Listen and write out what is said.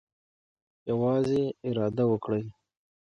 یوازې اراده وکړئ.